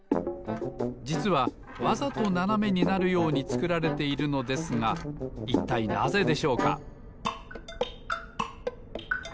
じつはわざとななめになるようにつくられているのですがいったいなぜでしょうか？